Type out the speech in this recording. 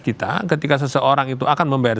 kita ketika seseorang itu akan membayar